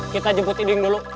kita jemput idung dulu